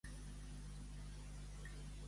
Espolsar-se el cagalló.